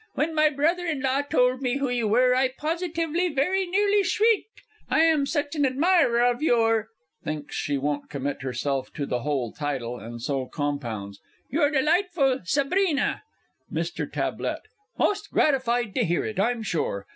When my brother in law told me who you were, I positively very nearly shrieked. I am such an admirer of your (thinks she won't commit herself to the whole title and so compounds) your delightful Sabrina! MR. T. Most gratified to hear it, I'm sure.